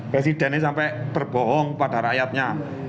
presidennya ini sampai terbohong pada rakyatnya